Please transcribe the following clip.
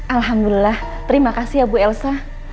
alhamdulillah terima kasih ya bu elsa